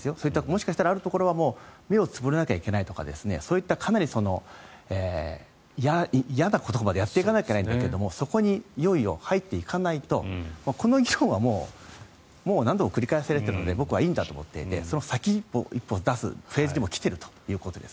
もしかしたら、あるところは目をつぶらないといけないとかそういった嫌なことまでやっていかないといけないんだけどそこにいよいよ入っていかないとこの議論はもう何度も繰り返されているので僕は、いいんだと思っていてその先を一歩出すフェーズに来ているということだと思います。